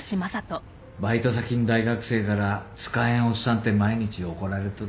バイト先ん大学生から使えんおっさんって毎日怒られとる。